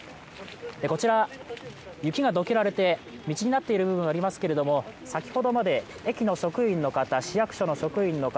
こちら、雪がどけられて、道になっている部分がありますけれども、先ほどまで駅の職員の方